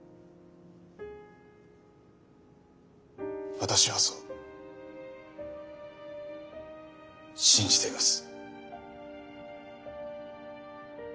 私はそう信じています。